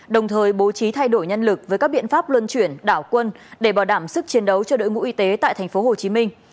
đồng thời bố trí thay đổi nhân lực với các biện pháp luân chuyển đảo quân để bảo đảm sức chiến đấu cho đội ngũ y tế tại thành phố hồ chí minh